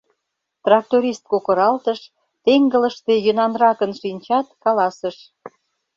Тракторист кокыралтыш, теҥгылыште йӧнанракын шинчат, каласыш: